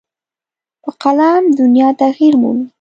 په قلم دنیا تغیر مومي.